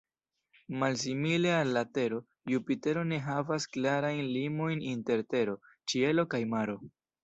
Malsimile al la Tero, Jupitero ne havas klarajn limojn inter tero, ĉielo kaj maro.